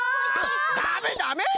ダメダメ！